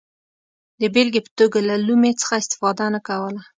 د بېلګې په توګه له لومې څخه استفاده نه کوله.